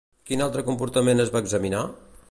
Quin altre comportament es va examinar?